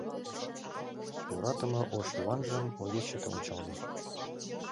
Йӧратыме ош Йыванжым, Огеш чыте ончалде